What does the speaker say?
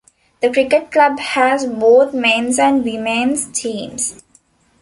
The cricket club has both men's and women's teams.